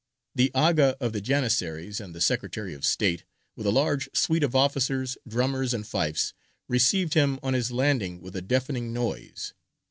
The Aga of the Janissaries, and the Secretary of State, with a large suite of officers, drummers, and fifes, received him on his landing with a deafening noise.